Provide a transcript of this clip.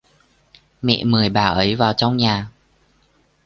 Mẹ mời bà ấy vào trong nhà